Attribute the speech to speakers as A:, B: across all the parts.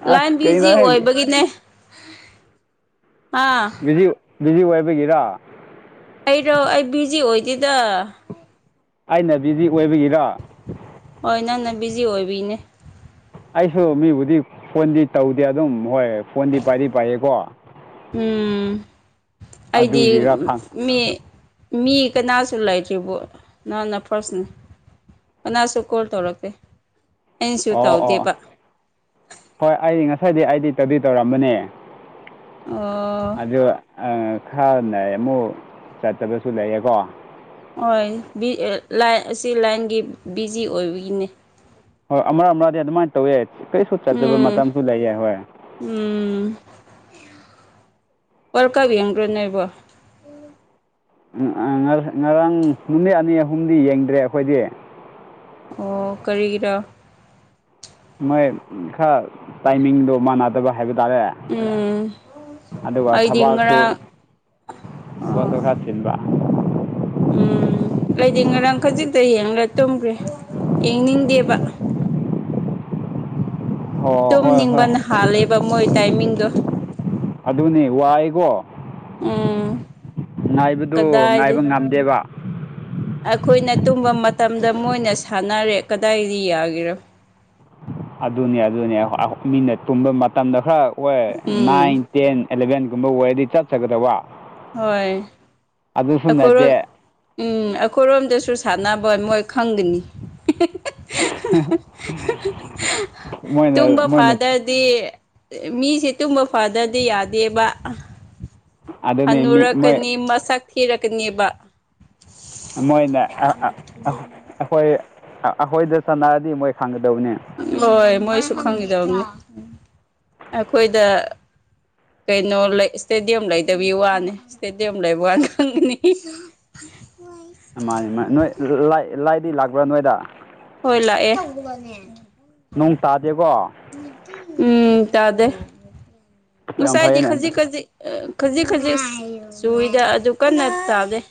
A: ꯑꯁ
B: line busy
A: ꯀꯩꯅꯣꯍꯦ
B: ꯑꯣꯏꯕꯒꯤꯅꯦ ꯑꯥ
A: ꯕꯤꯖꯤ ꯕꯤꯖꯤ ꯑꯣꯏꯕꯒꯤꯔꯥ
B: ꯑꯩꯔꯣ ꯑꯩ ꯕꯤꯖꯤ ꯑꯣꯏꯗꯦꯗ
A: ꯑꯩꯅ ꯕꯤꯖꯤ ꯑꯣꯏꯕꯒꯤꯔ
B: ꯍꯣꯏ ꯅꯪꯅ ꯕꯤꯖꯤ ꯑꯣꯏꯕꯒꯤꯅꯦ
A: ꯑꯩꯁꯨ ꯃꯤꯕꯨꯗꯤ ꯐꯣꯟꯗꯤ ꯇꯧꯗꯦ ꯑꯗꯨꯝ ꯍꯣꯏ ꯐꯣꯟꯗꯤ ꯄꯥꯏꯗꯤ ꯄꯥꯏꯌꯦꯀꯣ
B: ꯎꯝ ꯑꯩꯗꯤ
A: ꯑꯗꯨꯒꯤꯔ ꯈꯪ
B: ꯃꯤ ꯃꯤ ꯀꯅꯥꯁꯨ ꯂꯩꯇ꯭ꯔꯤꯕꯣ ꯅꯪꯅ ꯐꯔꯁꯅꯦ ꯑꯅꯥꯁꯨ ꯀꯣꯜ ꯊꯧꯔꯛꯇꯦ
A: ꯑꯣ ꯑꯣ ꯍꯣꯏ ꯑꯩ ꯉꯁꯥꯏꯗꯤ ꯑꯩꯗꯤ ꯇꯧꯗꯤ ꯇꯧꯔꯝꯕꯅꯦ
B: ꯑꯣ
A: ꯑꯗꯨ ꯈꯔꯅ ꯑꯃꯨꯛ ꯆꯠꯇꯕꯁꯨ ꯂꯩꯌꯦꯀꯣ
B: ꯍꯣꯏ ꯔꯤ ꯑ ꯂꯥꯏ ꯑꯁꯤ ꯂꯥꯏꯟꯒꯤ ꯕꯤꯖꯤ ꯑꯣꯏꯕꯒꯤꯅꯤ
A: ꯍꯣꯏ ꯑꯃꯥ ꯑꯃꯗꯤ ꯑꯗꯨꯃꯥꯏꯟ ꯇꯧꯋꯦ ꯀꯩꯁꯨ ꯆꯠꯇꯕ
B: ꯎꯝ
A: ꯃꯇꯝꯁꯨ ꯂꯩꯌꯦ ꯍꯣꯏ
B: ꯎꯝ ꯑꯣꯔ ꯀꯕꯤ ꯌꯥꯝ꯭ꯔꯅꯦꯔꯤꯕꯣ
A: ꯎꯝ ꯑ ꯉꯔꯥꯡ ꯅꯨꯃꯤꯠ ꯑꯅꯤ ꯑꯍꯨꯝꯗꯤ ꯌꯦꯡꯗ꯭ꯔꯦ ꯑꯩꯈꯣꯏꯗꯤ
B: ꯑꯣ ꯀꯔꯤꯒꯤꯔ
A: ꯃꯣꯏ ꯈꯔ ꯇꯥꯏꯃꯤꯡꯗꯣ ꯃꯥꯟꯅꯗꯕ ꯍꯥꯏꯕ ꯇꯥꯔꯦ
B: ꯎꯝ
A: ꯑꯗꯨꯒ
B: ꯑꯩꯗꯤ
A: ꯊꯕꯥꯛꯁꯨ
B: ꯉꯔꯥꯡ
A: ꯖꯕꯛꯁꯨ
B: ꯑꯣ
A: ꯈꯔ ꯆꯤꯟꯕ
B: ꯎꯝ ꯑꯩꯗꯤ ꯉꯔꯥꯡ ꯈꯖꯤꯛꯇ ꯌꯦꯡꯉꯒ ꯇꯨꯝꯈ꯭ꯔꯦ ꯌꯦꯡꯅꯤꯡꯗꯦꯕ
A: ꯑꯣ ꯍꯣꯏ ꯍꯣꯏ
B: ꯇꯨꯝꯅꯤꯡꯕꯅ ꯍꯥꯜꯂꯦꯕ ꯃꯣꯏ ꯇꯥꯏꯃꯤꯡꯗꯣ
A: ꯑꯗꯨꯅꯤ ꯋꯥꯏꯀꯣ
B: ꯎꯝ
A: ꯉꯥꯏꯕꯗꯣ ꯉꯥꯏꯕ
B: ꯀꯗꯥꯏꯗꯩ
A: ꯉꯝꯗꯦꯕ
B: ꯑꯩꯈꯣꯏꯅ ꯇꯨꯝꯕ ꯃꯇꯝꯗ ꯃꯣꯏꯅ ꯁꯥꯟꯅꯔꯦ ꯀꯗꯥꯏꯗꯒꯤ ꯌꯥꯒꯦꯔꯥ
A: ꯑꯗꯨꯅꯤ ꯑꯗꯨꯅꯤ ꯃꯤꯅ ꯇꯨꯝꯕ ꯃꯇꯝꯗ ꯈꯔ ꯑꯣꯏ
B: ꯎꯝ
A: ꯅꯥꯏꯟ ꯇꯦꯟ ꯑꯦꯂꯕꯦꯟꯒꯨꯝꯕ ꯑꯣꯏꯔꯗꯤ ꯆꯠꯆꯒꯗꯕ꯫
B: ꯍꯣꯏ
A: ꯑꯗꯨꯁꯨ
B: ꯑꯩꯈꯣꯏꯔꯣꯝ
A: ꯅꯠꯇꯦ
B: ꯎꯝ ꯑꯩꯈꯣꯏꯔꯣꯝꯗꯁꯨ ꯁꯥꯟꯅꯕ ꯃꯣꯏ ꯈꯪꯒꯅꯤ
A: ꯃꯣꯏꯅ
B: ꯇꯨꯝꯕ
A: ꯃꯣꯏꯅ
B: ꯐꯥꯗꯔ ꯗꯤ ꯃꯤꯁꯤ ꯇꯨꯝꯕ ꯐꯗꯗꯤ ꯌꯥꯗꯦꯕ
A: ꯑꯗꯨꯅꯤ ꯃꯤ ꯃꯣꯏ
B: ꯍꯅꯨꯔꯛꯀꯅꯤ ꯃꯁꯛ ꯊꯤꯔꯛꯀꯅꯦꯕ
A: ꯃꯣꯏꯅ ꯑꯩꯈꯣꯏ ꯑꯩꯈꯣꯏꯗ ꯁꯥꯟꯅꯔꯗꯤ ꯃꯣꯏ ꯈꯪꯒꯗꯕꯅꯦ
B: ꯍꯣꯏ ꯃꯣꯏꯁꯨ ꯈꯪꯒꯗꯕꯅꯤ ꯑꯩꯈꯣꯏꯗ ꯀꯩꯅꯣ ꯂꯩ ꯏꯁꯇꯦꯗꯤꯌꯝ ꯂꯩꯗꯕꯤꯒꯤ ꯋꯥꯅꯤ ꯏꯁꯇꯦꯗꯤꯌꯝ ꯂꯩꯕ ꯋꯥꯅꯤ ꯈꯪꯒꯅꯤ
A: ꯃꯥꯅꯦ ꯃꯥ ꯅꯣꯏ ꯂꯥꯏ ꯂꯥꯏꯗꯤ ꯂꯥꯛꯄ꯭ꯔꯥ ꯅꯣꯏꯗ
B: ꯍꯣꯏ ꯂꯥꯛꯑꯦ
A: ꯅꯣꯡ ꯇꯥꯗꯦꯀꯣ
B: ꯎꯝ ꯇꯥꯗꯦ
A: ꯌꯥꯝ
B: ꯉꯁꯥꯏꯗꯤ
A: ꯐꯩꯌꯦꯅꯦ
B: ꯈꯖꯤꯛ ꯈꯖꯤꯛ ꯈꯖꯤꯛ ꯈꯖꯤꯛ ꯆꯨꯔꯤꯗ ꯑꯗꯨ ꯀꯟꯅ ꯆꯥꯗꯩ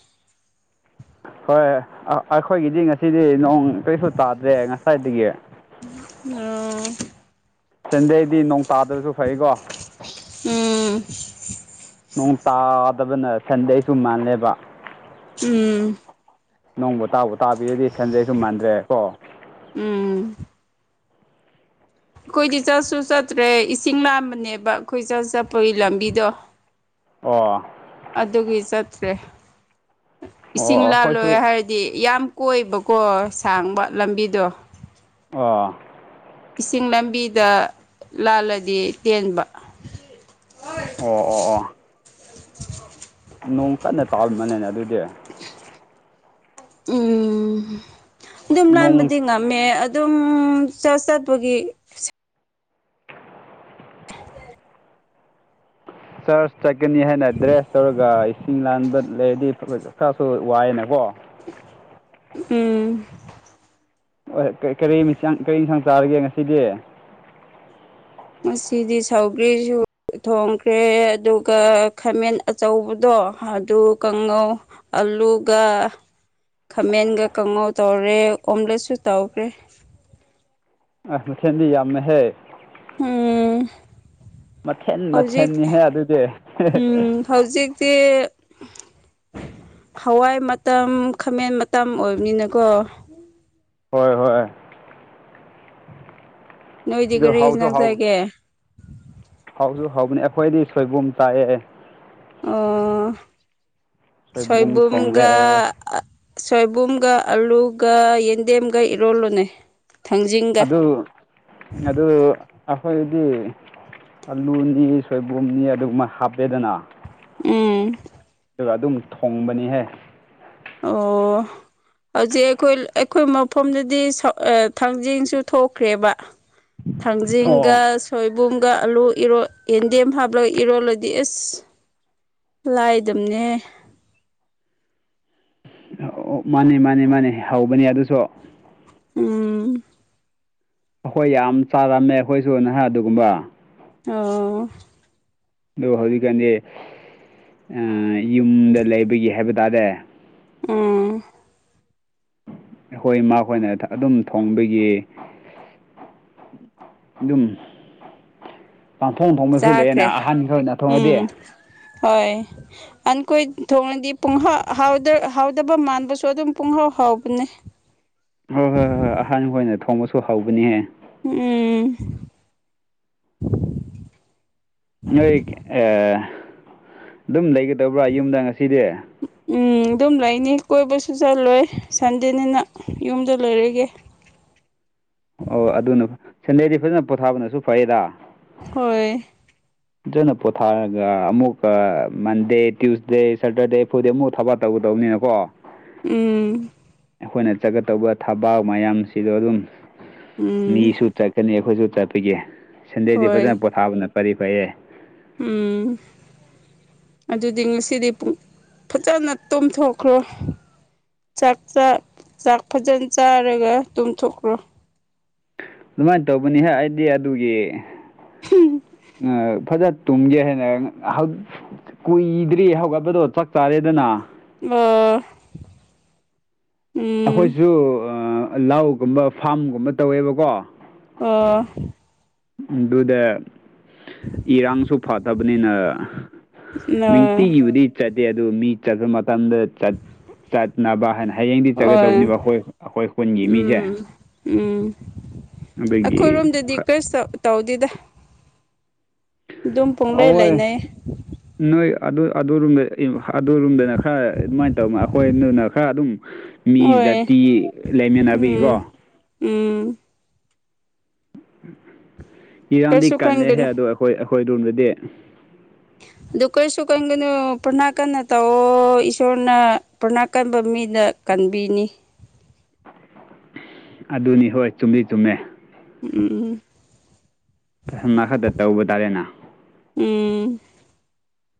A: ꯍꯣꯏ ꯑꯩꯈꯣꯏꯒꯤꯗꯤ ꯉꯁꯤꯗꯤ ꯅꯣꯡ ꯀꯔꯤꯁꯨ ꯇꯥꯗ꯭ꯔꯦ ꯉꯁꯥꯏꯗꯒꯤ
B: ꯑꯣ
A: ꯁꯟꯗꯦꯗꯤ ꯅꯣꯡ ꯇꯥꯗ꯭ꯔꯁꯨ ꯐꯩꯀꯣ
B: ꯎꯝ
A: ꯅꯣꯡ ꯇꯥꯗꯕꯅ ꯁꯟꯗꯦꯁꯨ ꯃꯥꯜꯂꯦꯕ
B: ꯎꯝ
A: ꯅꯣꯡꯕꯨ ꯇꯥꯕꯨ ꯇꯥꯕꯤꯔꯗꯤ ꯁꯟꯖꯩꯁꯨ ꯃꯥꯟꯗ꯭ꯔꯦ ꯀꯣ꯫
B: ꯎꯝ ꯑꯩꯈꯣꯏꯗꯤ ꯆꯠꯁꯨ ꯆꯠꯇ꯭ꯔꯦ ꯏꯁꯤꯡ ꯂꯥꯝꯕꯅꯦꯕ ꯑꯩꯈꯣꯏ ꯆ꯭ꯔꯁ ꯆꯠꯄꯒꯤ ꯂꯝꯕꯤꯗꯣ
A: ꯑꯣ
B: ꯑꯗꯨꯒꯤ ꯆꯠꯇ꯭ꯔꯦ
A: ꯑꯣ
B: ꯏꯁꯤꯡ
A: ꯑꯩꯈꯣꯏꯁꯨ
B: ꯂꯥꯜꯂꯣꯏ ꯍꯥꯏ ꯗꯤ ꯌꯥꯝ ꯀꯣꯏꯕꯀꯣ ꯁꯥꯡꯕ ꯂꯝꯕꯤꯗꯣ
A: ꯑꯣ
B: ꯏꯁꯤꯡ ꯂꯝꯕꯤꯗ ꯂꯥꯜꯂꯗꯤ ꯇꯦꯟꯕ꯫
A: ꯑꯣ ꯑꯣ ꯑꯣ ꯅꯣꯡ ꯀꯟꯅ ꯇꯥ ꯃꯅꯦꯅꯦ ꯑꯗꯨꯗꯤ
B: ꯎꯝ ꯑꯗꯨꯝ
A: ꯅꯣꯡ
B: ꯂꯥꯟꯕꯗꯤ ꯉꯝꯃꯦ ꯑꯗꯨꯝ ꯆꯠꯄꯒꯤ [unintelligible]
A: ꯆꯔ ꯆꯠꯀꯅꯤ ꯍꯥꯏꯅ ꯗ꯭ꯔꯦꯁ ꯇꯧꯔꯒ ꯏꯁꯤꯡ ꯂꯥꯟꯕ ꯂꯩꯔꯗꯤ ꯆꯥꯁꯨ ꯋꯥꯏꯑꯅꯀꯣ
B: ꯎꯝ꯫
A: ꯍꯣꯏ ꯀꯔꯤ ꯌꯦꯟꯁꯥꯡ ꯀꯔꯤ ꯌꯦꯁꯥꯡ ꯆꯥꯔꯒꯦ ꯉꯁꯤꯗꯤ
B: ꯉꯁꯤꯗꯤ ꯁꯧꯒ꯭ꯔꯤꯁꯨ ꯊꯣꯡꯈ꯭ꯔꯦ ꯑꯗꯨꯒ ꯈꯥꯃꯦꯟ ꯑꯆꯧꯕꯗꯣ ꯑꯗꯨ ꯀꯥꯡꯉꯧ ꯑꯂꯨꯒ ꯈꯥꯃꯦꯟꯒ ꯀꯥꯡꯉꯧ ꯇꯧꯔꯦ ꯑꯣꯝꯂꯦꯠꯁꯨ ꯇꯧꯈꯔꯦ
A: ꯑ ꯃꯊꯦꯟꯗꯤ ꯌꯥꯝꯃꯦꯍꯦ
B: ꯎꯝ
A: ꯃꯊꯦꯟ
B: ꯍꯧꯖꯤꯛ
A: ꯃꯊꯦꯟꯅꯤꯍꯧ ꯑꯗꯨꯗꯤ
B: ꯎꯝ ꯍꯧꯖꯤꯛꯇꯤ ꯍꯋꯥꯏ ꯃꯇꯝ ꯈꯥꯃꯦꯟ ꯃꯇꯝ ꯑꯣꯏꯕꯅꯤꯅꯀꯣ
A: ꯍꯣꯏ ꯍꯣꯏ
B: ꯅꯣꯏꯗꯤ
A: ꯑꯗꯨ
B: ꯀꯔꯤ
A: ꯍꯥꯎꯁꯨ
B: ꯍꯤꯟꯖꯥꯡ
A: ꯍꯥꯎꯕ
B: ꯆꯥꯒꯦ
A: ꯍꯥꯎꯁꯨ ꯍꯥꯎꯕꯅꯦ ꯑꯩꯈꯣꯏꯗꯤ ꯁꯣꯏꯕꯨꯝ ꯇꯥꯛꯑꯦ
B: ꯑꯣ
A: ꯁꯣꯏꯕꯨꯝ
B: ꯁꯣꯏꯕꯨꯡꯒꯥ
A: ꯊꯣꯡꯉꯦ
B: ꯁꯣꯏꯕꯨꯝꯒ ꯑꯂꯨꯒ ꯌꯦꯟꯗꯦꯝꯒ ꯏꯔꯣꯜꯂꯨꯅꯦ ꯊꯥꯡꯖꯤꯡꯒ
A: ꯑꯗꯨ ꯑꯗꯨ ꯑꯩꯈꯣꯏꯗꯤ ꯑꯂꯨꯅꯤ ꯁꯣꯏꯕꯨꯝꯅꯤ ꯑꯗꯨꯒꯨꯝꯕ ꯍꯥꯞꯄꯦꯗꯅ
B: ꯎꯝ
A: ꯑꯗꯨꯒ ꯑꯗꯨꯝ ꯊꯣꯡꯕꯅꯤꯍꯦ
B: ꯑꯣ ꯍꯧꯖꯤꯛ ꯑꯩꯈꯣꯏ ꯑꯩꯈꯣꯏ ꯃꯐꯝꯗꯗꯤ ꯊꯥꯡꯖꯤꯡꯁꯨ ꯊꯣꯛꯈ꯭ꯔꯦꯕ ꯊꯥꯡꯖꯤꯡꯒ
A: ꯑꯣ
B: ꯁꯣꯏꯕꯨꯝꯒ ꯑꯂꯨ ꯏꯔꯣ ꯌꯦꯟꯗꯦꯝ ꯍꯥꯞꯂꯒ ꯏꯔꯣꯜꯂꯗꯤ ꯑꯦꯁ ꯂꯥꯏꯗꯝꯗꯝꯅꯦ
A: ꯑꯣ ꯃꯥꯅꯤ ꯃꯥꯅꯤ ꯃꯥꯅꯤ ꯍꯧꯕꯅꯤ ꯑꯗꯨꯁꯨ
B: ꯎꯝ
A: ꯑꯩꯈꯣꯏ ꯌꯥꯝ ꯆꯥꯔꯝꯃꯦ ꯑꯩꯈꯣꯏꯁꯨ ꯅꯍ ꯑꯗꯨꯒꯨꯝꯕ
B: ꯑ
A: ꯑꯗꯨ ꯍꯧꯖꯤꯛꯀꯥꯟꯗꯤ ꯌꯨꯝꯗ ꯂꯩꯕꯒꯤ ꯍꯥꯏꯕ ꯇꯥꯔꯦ
B: ꯎꯝ
A: ꯑꯩꯈꯣꯏ ꯏꯃꯈꯣꯏꯅ ꯑꯗꯨꯝ ꯊꯣꯡꯕꯒꯤ ꯑꯗꯨꯝ ꯄꯥꯡꯊꯣꯛ ꯊꯣꯡꯅ ꯁ ꯂꯩꯛꯑꯦꯅ
B: ꯆꯥꯈ꯭ꯔꯦ
A: ꯑꯍꯥꯟꯕꯒꯤꯈ ꯑꯣꯏꯅ ꯊꯣꯡꯉꯗꯤ
B: ꯍꯣꯏ ꯑꯈꯣꯏ ꯊꯣꯡꯡꯂꯗꯤꯍꯥꯎ ꯍꯥꯎꯗꯕ ꯃꯥꯟꯕꯁꯨ ꯑꯗꯨꯝ ꯄꯨꯡꯍꯥꯎ ꯍꯥꯎꯕꯅꯦ
A: ꯍꯣꯏ ꯍꯣꯏ ꯍꯣꯏ ꯍꯣꯏ ꯑꯍꯥꯟꯕ ꯑꯣꯏꯅ ꯊꯣꯡꯕꯁꯨ ꯍꯧꯕꯅꯤꯍꯦ
B: ꯎꯝ
A: ꯅꯣꯏ ꯑꯗꯨꯝ ꯂꯩꯒꯗꯧꯕ꯭ꯔꯥ ꯌꯨꯝꯗ ꯉꯁꯤꯗꯤ
B: ꯎꯝ ꯑꯗꯨꯝ ꯂꯩꯅꯤ ꯀꯣꯏꯕꯁꯨ ꯆꯠꯂꯣꯏ ꯁꯟꯗꯦꯅꯤꯅ ꯌꯨꯝꯗ ꯂꯩꯣꯏꯔꯒꯦ
A: ꯑꯣ ꯑꯗꯨꯅ ꯁꯟꯗꯦꯗꯤ ꯐꯖꯅ ꯄꯣꯊꯥꯕꯅꯁꯨ ꯐꯩꯌꯦꯗ
B: ꯍꯣꯏ
A: ꯑꯗꯨꯣꯏꯅꯣ ꯄꯣꯊꯥꯔꯒ ꯑꯃꯨꯛ ꯃꯟꯗꯦ ꯇ꯭ꯌꯨꯁꯗꯦ ꯁꯦꯇꯔꯗꯦ ꯐꯨꯗꯦ ꯑꯃꯨꯛ ꯊꯥ ꯇꯧꯒꯗꯧꯅꯤꯅꯀꯣ
B: ꯎꯝ
A: ꯑꯩꯈꯣꯏꯅ ꯆꯠꯀ ꯇꯧꯕ ꯊꯕꯥꯛ ꯃꯌꯥꯝꯁꯤꯗꯣ ꯑꯗꯨꯝ
B: ꯎꯝ
A: ꯃꯤꯁꯨ ꯆꯠꯀꯅꯤ ꯑꯩꯈꯣꯏꯁꯨ ꯆꯠꯄꯤꯒꯤ ꯁꯦꯟꯗꯦꯗꯤ
B: ꯍꯣꯏ
A: ꯐꯖꯅ ꯄꯣꯊꯥꯕꯅ ꯐꯔꯤ ꯐꯩꯌꯦ
B: ꯎꯝ ꯑꯗꯨꯗꯤ ꯉꯁꯤꯗꯤ ꯄꯨꯡ ꯐꯖꯅ ꯇꯣꯝꯊꯣꯛꯈ꯭ꯔꯣ ꯆꯥꯛ ꯆꯥꯛ ꯐꯖꯅ ꯆꯥꯔꯒ ꯇꯨꯝꯊꯣꯛꯈ꯭ꯔꯣ
A: ꯑꯗꯨꯃꯥꯏꯅ ꯇꯧꯕꯅꯤꯍ ꯑꯩꯗꯤ ꯑꯗꯨꯒꯤ ꯐꯖ ꯇꯨꯝꯒꯦ ꯍꯥꯏꯅ ꯀꯨꯏꯗ꯭ꯔꯤ ꯍꯧꯒꯠꯄꯗꯣ ꯆꯥꯛ ꯆꯥꯔꯦꯗꯅ
B: ꯑ ꯎꯝ
A: ꯑꯩꯈꯣꯏꯁꯨ ꯂꯥꯎꯒꯨꯝꯕ ꯐꯥꯝꯒꯨꯝꯕ ꯇꯧꯋꯦꯕꯀꯣ
B: ꯑꯣ
A: ꯑꯗꯨꯗ ꯏꯔꯥꯡꯁꯨ ꯐꯊꯕꯅꯤꯅ ꯅꯨꯡꯇꯤꯒꯤꯕꯨꯗꯤ ꯆꯠꯇꯦ ꯑꯗꯨ ꯃꯤ ꯆꯠꯄ ꯃꯇꯝꯗ ꯆꯠꯅꯕ ꯍꯥꯏꯅ ꯍꯌꯦꯡꯗꯤ
B: ꯍꯣꯏ
A: ꯆꯠꯒꯗꯕꯅꯦꯕ ꯑꯩꯈꯣꯏ ꯑꯩꯈꯣꯏ ꯈꯨꯟꯒꯤ ꯃꯤꯁꯦ
B: ꯎꯝ ꯎꯝ
A: ꯑꯗꯨꯒꯤ
B: ꯑꯩꯈꯣꯏꯔꯣꯝꯗꯗꯤ
A: ꯈ-
B: ꯀꯔꯤꯁꯨ ꯇꯧꯗꯦꯗ ꯑꯗꯨꯝ ꯄꯨꯡꯂꯩ
A: ꯑꯍꯣꯏ
B: ꯂꯩꯅꯩ
A: ꯅꯣꯏ ꯑꯗꯨꯗ ꯑꯗꯨꯔꯣꯝꯗꯅ ꯈꯔ ꯑꯗꯨꯃꯥꯏꯅ ꯇꯧꯅꯤ ꯑꯩꯈꯣꯏꯅ ꯈꯔ ꯑꯗꯨꯝ ꯃꯤ
B: ꯍꯣꯏ
A: ꯖꯥꯇꯤ ꯂꯩꯃꯤꯟꯅꯕꯤꯒꯤꯀꯣ
B: ꯎꯝ ꯎꯝ
A: ꯏꯔꯥꯡꯗꯤ
B: ꯀꯩꯁꯨ ꯈꯟꯒꯅꯨ
A: ꯀꯜꯂꯦꯍꯦ ꯑꯗꯨꯗꯣ ꯑꯩꯈꯣꯏ ꯑꯩꯈꯣꯏ ꯔꯣꯝꯗꯗꯤ
B: ꯑꯗꯨ ꯀꯩꯁꯨ ꯈꯟꯒꯅꯨ ꯄ꯭ꯔꯊꯅꯥ ꯀꯟꯅ ꯇꯑꯣ ꯏꯁꯣꯔꯅ ꯄꯔꯅꯥ ꯀꯟꯕ ꯃꯤꯗ ꯀꯟꯕꯤꯅꯤ
A: ꯑꯗꯨꯅꯤ ꯍꯣꯏ ꯆꯨꯝꯃꯤ ꯆꯨꯝꯃꯦ
B: ꯎꯝ
A: ꯑꯃ ꯈꯛꯇ ꯇꯧꯕ ꯇꯥꯔꯦꯅꯥ
B: ꯎꯝ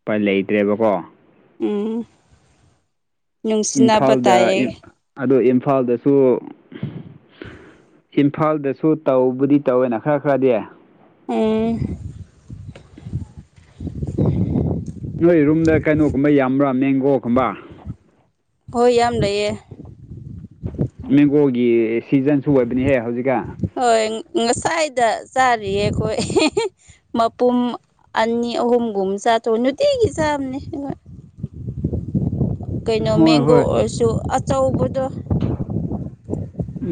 A: ꯎꯄꯥꯢ ꯂꯩꯇ꯭ꯔꯦꯕꯀꯣ
B: ꯎꯝ ꯅꯨꯡꯁꯤꯅꯕ ꯇꯥꯏꯌꯦ
A: ꯑꯗꯨ ꯏꯝꯐꯥꯜꯗꯁꯨ ꯏꯝꯐꯥꯜꯗꯁꯨ ꯇꯧꯕꯨꯗꯤ ꯇꯧꯋꯦꯅ ꯈꯔ ꯈꯔꯗꯤ
B: ꯎꯝ [unintelligible] [inaudible]
A: ꯅꯣꯏ ꯔꯨꯝꯗ ꯀꯩꯅꯣꯒꯨꯝꯕ ꯌꯥꯝꯕ꯭ꯔꯥ ꯃꯦꯡꯒꯣꯒꯨꯝꯕ
B: ꯍꯣꯏ ꯌꯥꯝ ꯂꯩꯌꯦ
A: ꯃꯦꯡꯒꯣꯒꯤ ꯁꯤꯖꯟꯁꯨ ꯑꯣꯏꯕꯅꯤꯍꯦ ꯍꯧꯖꯤꯛꯀꯥꯟ
B: ꯍꯣꯏ ꯉꯁꯥꯏꯗ ꯆꯥꯔꯤꯌꯦ ꯑꯩꯈꯣꯏ ꯃꯄꯨꯝ ꯑꯅꯤ ꯑꯍꯨꯝꯒꯨꯝ ꯆꯥꯊꯣꯛ ꯅꯨꯡꯇꯤꯒꯤ ꯆꯥꯕꯅꯦ ꯍꯣꯏ ꯀꯩꯅꯣ
A: ꯍꯣꯏ
B: ꯃꯦꯡꯒꯣ
A: ꯍꯣꯏ
B: ꯑꯣꯏꯔꯁꯨ ꯑꯆꯧꯕꯗꯣ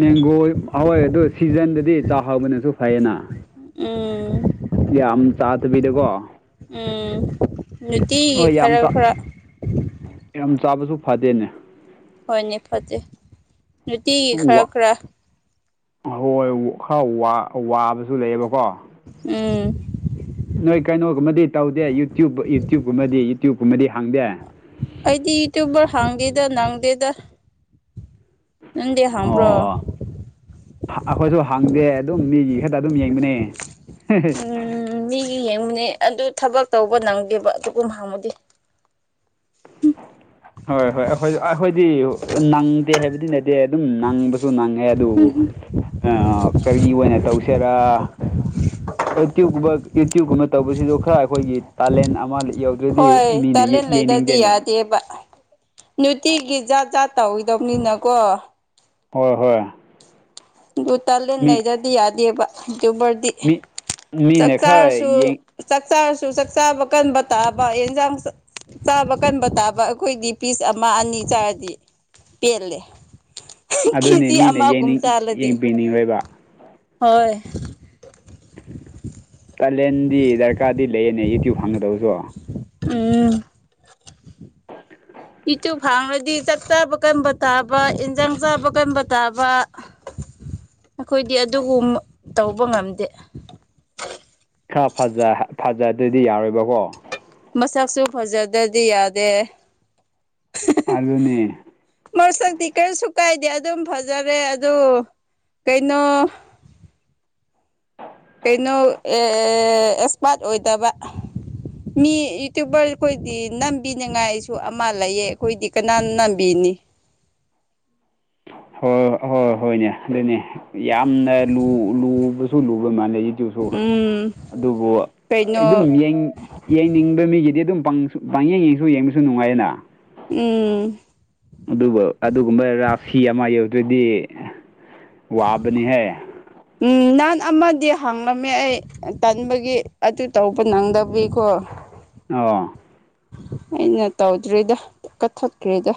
A: ꯃꯦꯡꯒꯣ ꯍꯣꯏ ꯑꯗꯨ ꯁꯤꯖꯟꯗꯗꯤ ꯆꯥ ꯍꯧꯕꯅꯁꯨ ꯐꯩꯌꯦꯅ
B: ꯎꯝ
A: ꯌꯥꯝ ꯆꯥꯗꯕꯤꯗꯀꯣ
B: ꯎꯝ ꯅꯨꯡꯇꯤꯒꯤ
A: ꯍꯣꯏ
B: ꯈꯔ
A: ꯌꯥꯝ
B: ꯈꯔ
A: ꯌꯥꯝ ꯆꯥꯕꯁꯨ ꯐꯗꯦꯅꯦ
B: ꯍꯣꯏꯅꯦ ꯐꯠꯇꯦ ꯅꯨꯡꯇꯤꯒꯤ ꯈꯔ ꯈꯔ
A: ꯑꯍꯣꯏ ꯈꯔ ꯋꯥ ꯋꯥꯕꯁꯨ ꯂꯩꯌꯦꯕꯀꯣ
B: ꯎꯝ
A: ꯅꯣꯏ ꯀꯩꯅꯣꯒꯨꯝꯕꯗꯤ ꯇꯧꯗꯦ ꯌꯨꯇ꯭ꯌꯨꯞ ꯌꯨꯇ꯭ꯌꯨꯞꯀꯨꯝꯕꯗꯤ ꯌꯨꯇ꯭ꯌꯨꯞꯀꯨꯝꯕꯗꯤ ꯍꯥꯡꯗꯦ
B: ꯑꯩꯗꯤ ꯌꯨꯇꯨꯕꯔ ꯍꯥꯡꯗꯦꯗ ꯅꯪꯗꯦꯗ ꯅꯪꯗꯤ
A: ꯑꯣ
B: ꯍꯥꯡꯕ꯭ꯔꯣ
A: ꯑꯣ ꯑꯈꯣꯏꯁꯨ ꯍꯪꯗꯦ ꯑꯗꯨꯝ ꯃꯤꯒꯤ ꯈꯛꯇ ꯑꯗꯨꯝ ꯌꯦꯡꯕꯅꯦ
B: ꯎꯝ ꯃꯤꯒꯤ ꯌꯦꯡꯕꯅꯦ ꯑꯗꯨ ꯊꯕꯛ ꯇꯧꯕ ꯅꯪꯗꯦꯕ ꯑꯗꯨꯒꯨꯝ ꯍꯥꯡꯉꯨꯗꯤ
A: ꯍꯣꯏ ꯍꯣꯏ ꯑꯩꯈꯣꯏ ꯑꯩꯈꯣꯏꯗꯤ ꯅꯪꯗꯦ ꯍꯥꯏꯕꯗꯤ ꯅꯠꯇꯦ ꯗꯦ ꯑꯗꯨꯝ ꯅꯪꯕꯁꯨ ꯅꯪꯉꯦ ꯑꯗꯨ ꯀꯔꯤ ꯑꯣꯏꯅ ꯇꯧꯁꯦꯔꯥ ꯌꯨꯇ꯭ꯌꯨꯕꯀꯨꯝꯕ ꯌꯨꯇ꯭ꯌꯨꯕꯀꯨꯝꯕ ꯇꯧꯕꯁꯤꯁꯨ ꯈꯔ ꯑꯩꯈꯣꯏꯒꯤ ꯇꯥꯂꯦꯟ ꯑꯃ ꯌꯧ
B: ꯍꯣꯏ ꯇꯦꯂꯦꯟ ꯂꯩꯗꯗꯤ ꯌꯥꯗꯦꯕ ꯅꯨꯡꯇꯤꯒꯤ ꯖꯥꯠ ꯖꯥꯠ ꯇꯧꯏꯗꯧꯕꯅꯤꯅꯀꯣ
A: ꯍꯣꯏ ꯍꯣꯏ
B: ꯗꯨ ꯇꯦꯂꯦꯟ ꯂꯩꯇ꯭ꯔꯗꯤ ꯌꯥꯗꯦꯕ ꯌꯨꯇꯨꯕꯔꯗꯤ
A: ꯃꯤ ꯃꯤ ꯅ ꯈꯔꯌꯦꯡ
B: ꯆꯥꯛ ꯆꯥꯥꯔꯁꯨ ꯆꯥꯛꯆꯥꯕ ꯀꯥꯟꯕ ꯇꯥꯕ ꯌꯦꯟꯖꯥꯡꯁꯨ ꯆꯥꯕ ꯀꯟꯕ ꯇꯥꯕ ꯑꯩꯈꯣꯏꯗꯤ ꯄꯤꯁ ꯑꯃ ꯑꯅꯤ ꯆꯥꯔꯗꯤ ꯄꯦꯜꯂꯦ
A: ꯑꯗꯨꯅꯤ
B: ꯀꯦꯖꯤ
A: ꯃꯤꯅ
B: ꯑꯃꯒꯨꯝ
A: ꯌꯦꯡꯅꯤꯡ
B: ꯆꯥꯔꯗꯤ
A: ꯌꯦꯡꯕꯤꯅꯤꯡꯉꯣꯏꯕ
B: ꯍꯣꯏ
A: ꯀꯥꯂꯦꯟꯗꯤ ꯗꯔꯀꯥꯔꯗꯤ ꯂꯩꯌꯦꯅꯦ ꯌꯨꯇ꯭ꯌꯨꯕ ꯍꯥꯡꯒꯗꯕꯁꯨ
B: ꯎꯝ ꯌꯨꯇ꯭ꯌꯨꯞ ꯍꯥꯡꯂꯗꯤ ꯆꯥꯛ ꯆꯥꯕ ꯀꯟꯕ ꯇꯥꯕ ꯏꯟꯁꯥꯡ ꯆꯥꯕ ꯀꯟꯕ ꯇꯥꯕ ꯑꯩꯈꯣꯏꯗꯤ ꯑꯗꯨꯒꯨꯝ ꯇꯧꯕ ꯉꯝꯗꯦ
A: ꯈꯔ ꯐꯖ ꯐꯖꯗꯗꯤ ꯌꯥꯎꯔꯣꯏꯕꯀꯣ
B: ꯃꯁꯛꯁꯨ ꯐꯖꯗꯗꯤ ꯌꯥꯗꯦ
A: ꯑꯗꯨꯅꯤ
B: ꯃꯁꯛꯇꯤ ꯀꯔꯤꯁꯨ ꯀꯥꯏꯗꯦ ꯑꯗꯨꯝ ꯐꯖꯔꯦ ꯑꯗꯨ ꯀꯩꯅꯣ ꯀꯩꯅꯣ ꯑꯦꯛꯁꯄꯥ꯭ꯔꯠ ꯑꯣꯏꯗꯕ ꯃꯤ ꯌꯨꯇ꯭ꯌꯨꯕꯔ ꯑꯩꯈꯣꯏꯗꯤ ꯅꯝꯕꯤꯅꯤꯉꯥꯏꯁꯨ ꯑꯃ ꯂꯩꯌꯦ ꯑꯩꯈꯣꯏꯗꯤ ꯀꯅꯥꯅ ꯅꯝꯕꯤꯅꯤ
A: ꯍꯣꯏ ꯍꯣꯏ ꯍꯣꯏ ꯍꯣꯏꯅꯦ ꯑꯗꯨꯅꯦ ꯌꯥꯝꯅ ꯂꯨꯕꯁꯨ ꯂꯨꯕ ꯃꯥꯜꯂꯦ ꯁꯨ
B: ꯎꯝ
A: ꯑꯗꯨꯕꯨ
B: ꯀꯩꯅꯣ
A: ꯑꯗꯨꯝ ꯌꯦꯡ ꯌꯦꯡꯅꯤꯡꯕ ꯃꯤꯒꯤꯗꯤ ꯑꯗꯨꯝ ꯄꯪꯌꯦꯡ ꯌꯦꯡꯁꯨ ꯌꯦꯡꯕꯁꯨ ꯅꯨꯡꯉꯥꯏꯌꯦꯅ
B: ꯎꯝ
A: ꯑꯗꯨꯒ ꯑꯗꯨꯒꯨꯝꯕ ꯔꯥꯐꯤ ꯑꯃ ꯌꯧꯗ꯭ꯔꯗꯤ ꯋꯥꯕꯅꯤꯍꯦ
B: ꯎꯝ ꯅꯍꯥꯟ ꯑꯃꯗꯤ ꯍꯥꯡꯂꯝꯃꯦ ꯑꯩ ꯇꯟꯕꯒꯤ ꯑꯗꯨ ꯇꯧꯕ ꯅꯪꯗꯕꯤꯀꯣ
A: ꯑꯣ
B: ꯑꯩꯅ ꯇꯧꯗ꯭꯭ꯔꯤꯗ ꯀꯥꯛꯊꯠꯈ꯭꯭ꯔꯦꯗ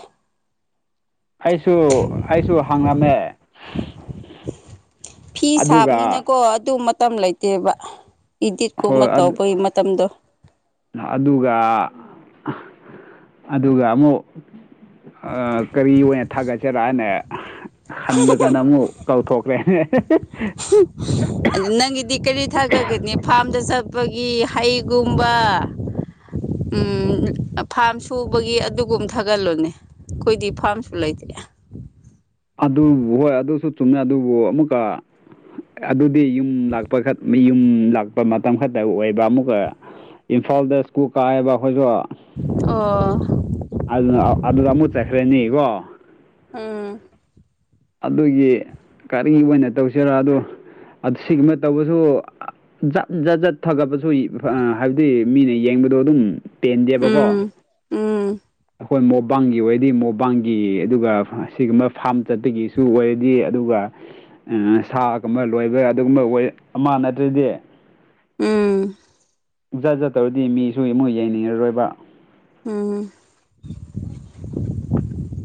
A: ꯑꯩꯁꯨ ꯑꯩꯁꯨ ꯍꯥꯡꯂꯝꯃꯦ
B: ꯐꯤ ꯁꯥꯕꯅꯤꯅꯀꯣ ꯑꯗꯨ ꯃꯇꯝ ꯂꯩꯇꯦꯕ ꯏꯗꯤꯠꯀꯨꯝꯕ
A: ꯍꯣꯏ
B: ꯇꯧꯕꯒꯤ ꯃꯇꯝꯗꯣ
A: ꯑꯗꯨꯒ ꯑꯗꯨꯒ ꯑꯃꯨꯛ ꯑꯥ ꯀꯔꯤ ꯑꯣꯏꯅ ꯊꯥꯒꯠꯁꯤꯔꯅꯦ ꯍꯟꯕ ꯀꯥꯟꯗ ꯑꯃꯨꯛ ꯀꯧꯊꯣꯛꯈ꯭ꯔꯦꯅꯦ
B: ꯑꯗꯨ ꯅꯪꯒꯤꯗꯤ ꯀꯔꯤ ꯊꯥꯒꯠꯀꯅꯤ ꯐꯥꯝꯗ ꯆꯠ ꯄꯒꯤ ꯍꯩꯒꯨꯝꯕ ꯎꯝ ꯐ꯭ꯥꯔꯝ ꯁꯨꯕꯒꯤ ꯑꯗꯨꯒꯨꯝ ꯊꯥꯒꯠꯂꯨꯅꯦ ꯑꯩꯈꯣꯏꯗꯤ ꯐꯥꯝꯁꯨ ꯂꯩꯇꯦ
A: ꯑꯗꯨꯕꯨ ꯍꯣꯏ ꯑꯗꯨꯁꯨ ꯆꯨꯝꯃꯦ ꯑꯗꯨꯕꯨ ꯑꯃꯨꯛꯀ ꯑꯗꯨꯗꯤ ꯌꯨꯝ ꯂꯥꯛꯄ ꯌꯨꯝ ꯂꯥꯛꯄ ꯃꯇꯝ ꯈꯛꯇ ꯑꯣꯏꯕ ꯑꯃꯨꯛꯀ ꯏꯝꯐꯥꯜꯗ ꯁ꯭ꯀꯨꯜ ꯀꯥꯢꯌꯦꯕ ꯑꯈꯣꯏꯁꯨ
B: ꯑꯣ
A: ꯑꯗꯨꯅ ꯑꯗꯨꯗ ꯑꯃꯨꯛ ꯆꯠꯈ꯭ꯔꯅꯤꯀꯣ
B: ꯎꯝ
A: ꯑꯗꯨꯒꯤ ꯀꯔꯤ ꯑꯣꯏꯅ ꯇꯧꯁꯤꯔ ꯑꯗꯣ ꯁꯤꯒꯨꯝꯕ ꯇꯧꯕꯁꯨ ꯖꯥꯠ ꯖꯥꯠ ꯖꯥꯠ ꯊꯥꯒꯠꯄꯁꯨ ꯍꯥꯏꯕꯗꯤ ꯃꯤꯅ ꯌꯦꯡꯕꯗꯣ ꯑꯗꯨꯝ ꯄꯦꯟꯗꯦꯕꯀꯣ
B: ꯎꯝ ꯎꯝ
A: ꯑꯩꯈꯣꯏ ꯃꯣꯕꯥꯡꯒꯤ ꯑꯣꯏꯔꯗꯤ ꯃꯣꯕꯥꯡꯒꯤ ꯑꯗꯨꯒ ꯁꯤꯒꯨꯝꯕ ꯐꯥꯝ ꯆꯠꯄꯒꯤꯁꯨ ꯑꯣꯏꯔꯗꯤ ꯑꯗꯨꯒ ꯁꯥꯒꯨꯝꯕ ꯂꯣꯏꯕ ꯑꯗꯨꯒꯨꯝꯕ ꯑꯣꯏ ꯑꯃ ꯅꯠꯇ꯭ꯔꯗꯤ
B: ꯎꯝ
A: ꯖꯥꯠ ꯖꯥꯠ ꯇꯧꯔꯗꯤ ꯃꯤꯁꯨ ꯃꯣꯏ ꯌꯥꯡꯅꯤꯡꯉꯔꯣꯏꯕ
B: ꯎꯝ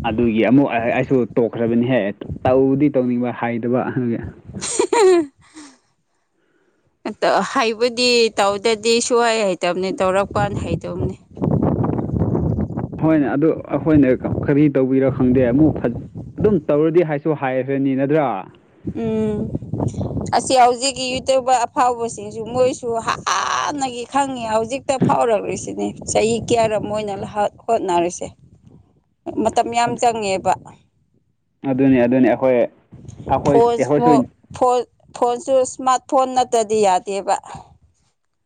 A: ꯑꯗꯨꯒꯤ ꯑꯃꯨꯛ ꯑꯩꯁꯨ ꯇꯣꯛꯈ꯭ꯔꯕꯅꯤꯍꯦ ꯇꯧꯗꯤ ꯇꯧꯅꯤꯡꯕ ꯍꯩꯇꯕ
B: [unintelligible] ꯑ ꯍꯩꯕꯗꯤ ꯇꯧꯗꯗꯤ ꯁꯨꯡꯍꯩ ꯍꯩꯇꯕꯅꯦ ꯇꯧꯔꯛꯀꯥꯟ ꯍꯩꯗꯧꯕꯅꯦ
A: ꯍꯣꯏꯅꯦ ꯑꯗꯨ ꯑꯩꯈꯣꯏꯅ ꯀꯔꯤ ꯇꯧꯕꯤꯔꯣ ꯈꯪꯗꯦ ꯑꯃꯨꯛ ꯑꯗꯨꯝ ꯇꯧꯔꯗꯤ ꯍꯥꯏꯁꯨ ꯍꯥꯏꯈ꯭ꯔꯅꯤ ꯅꯠꯇ꯭ꯔꯥ
B: ꯎꯝ ꯑꯁꯤ ꯍꯧꯖꯤꯛꯀꯤ ꯌꯨꯇ꯭ꯌꯨꯕꯔ ꯑꯐꯥꯎꯕꯁꯤꯡꯁꯨ ꯃꯣꯏꯁꯨ ꯍꯥꯟꯅꯒꯤ ꯈꯪꯉꯤ ꯍꯧꯖꯤꯛ ꯍꯛꯇ ꯐꯥꯎꯔꯛꯂꯤꯁꯤꯅꯦ ꯆꯍꯤ ꯀꯌꯥꯔ ꯑꯣꯏꯅ ꯍꯣꯠꯅꯔꯤꯁꯦ ꯃꯇꯝ ꯌꯥꯝ ꯆꯪꯉꯦꯕ
A: ꯑꯗꯨꯅꯤ ꯑꯗꯨꯅꯤ ꯑꯩꯈꯣꯏ ꯑꯩꯈꯣꯏ
B: ꯐꯣꯟꯃꯨ
A: ꯑꯩꯈꯣꯏꯁꯨ
B: ꯐꯣꯟ ꯐꯣꯟꯁꯨ ꯏꯁꯃꯥꯔꯠ ꯐꯣꯟ ꯅꯠꯇ꯭ꯔꯗꯤ ꯌꯥꯗꯦꯕ